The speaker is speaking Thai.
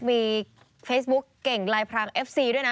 มีเฟซบุ๊กเก่งลายพรางเอฟซีด้วยนะ